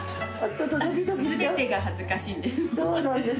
全てが恥ずかしいんです。